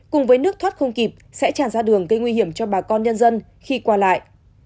cùng với nước thoát không kịp sẽ tràn ra đường gây nguy hiểm cho bà con nhân dân khi qua lại